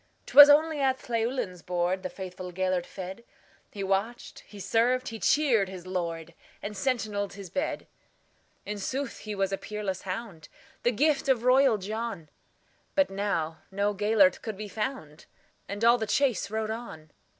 'T was only at Llewelyn's boardThe faithful Gêlert fed; He watched, he served, he cheered his lord, And sentineled his bed.In sooth he was a peerless hound, The gift of royal John; But now no Gêlert could be found, And all the chase rode on.